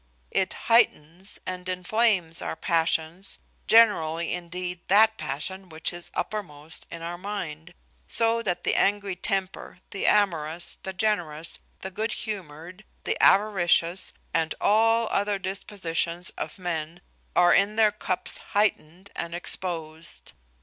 It heightens and inflames our passions (generally indeed that passion which is uppermost in our mind), so that the angry temper, the amorous, the generous, the good humoured, the avaricious, and all other dispositions of men, are in their cups heightened and exposed.